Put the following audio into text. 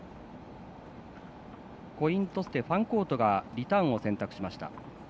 コイントスでファンコートがリターンを選択しました。